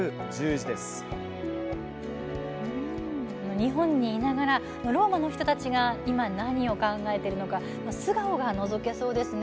日本にいながらローマの人たちが今何を考えているのか素顔がのぞけそうですね。